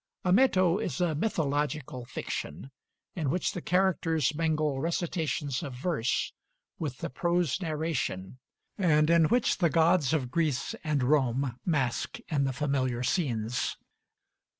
'Ameto' is a mythological fiction, in which the characters mingle recitations of verse with the prose narration, and in which the gods of Greece and Rome masque in the familiar scenes.